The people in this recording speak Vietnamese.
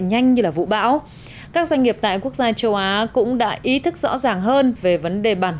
nhanh như là vũ bão các doanh nghiệp tại quốc gia châu á cũng đã ý thức rõ ràng hơn về vấn đề bản